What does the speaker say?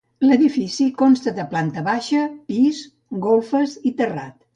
L'edifici consta de planta baixa, pis, golfes i terrat.